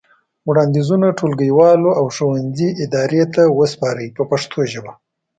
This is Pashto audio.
وړاندیزونه ټولګیوالو او ښوونځي ادارې ته وسپارئ په پښتو ژبه.